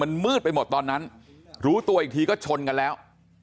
มันมืดไปหมดตอนนั้นรู้ตัวอีกทีก็ชนกันแล้ว